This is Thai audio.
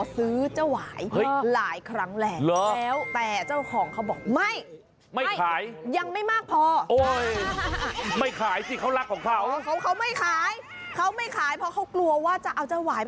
ซึ่งเจ้าของเขาบอกว่าเคยมีคนมาถามขอซื้อเจ้าหวาย